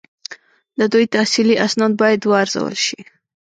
د دوی تحصیلي اسناد باید وارزول شي.